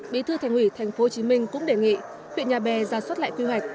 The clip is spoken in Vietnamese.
bí thư thành uỷ tp hcm cũng đề nghị huyện nhà bè ra suất lại quy hoạch